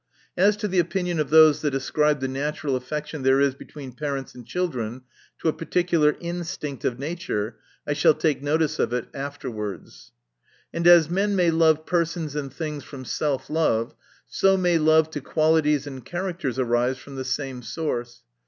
As to the opinion of those that ascribe the natural affection there is between parents and children, to a particular instinct of nature, I shall take notice of it afterwards. And as men may love persons and things from self love, so may love to qualities and characters arise from the same source.